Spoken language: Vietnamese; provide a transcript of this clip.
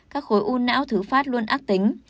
các khối u não thứ phát luôn ác tính